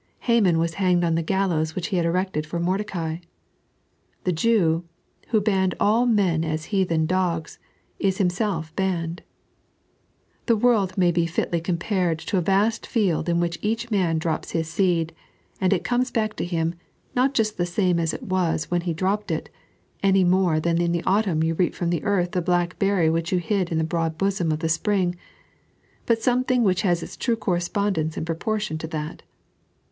Haman was hanged on the gallows which he had erected for Mordecai. The Jew, who banned all men as heathen dogs, is himself banned. The world may fitly be compared to a vast field in which each man drc^ his seed, and it comes back to him, not jtist the same that it was when he dropped it in, any more than in the antumn you reap from the earth the black herry which you hid in its broad bosom in the spring, but some thing which has its true cozre^wndenoe and proportion to that.